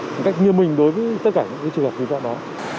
một cách như mình đối với tất cả những trường hợp vi phạm đó